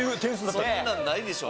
そんなんないでしょ